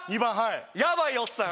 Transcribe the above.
ヤバいおっさん